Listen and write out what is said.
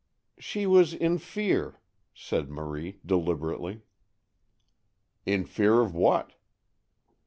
"She was in fear," said Marie deliberately. "In fear of what?"